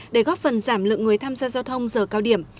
để góp phần giảm lượng người tham gia giao thông giờ cao điểm